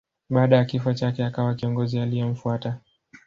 Baada ya kifo chake akawa kiongozi aliyemfuata.